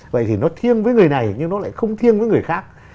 vậy thì nó thiêng với người này nhưng nó lại không thiêng với người khác